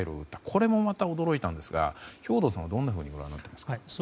これもまた、驚いたんですが兵頭さんはどうご覧になりましたか。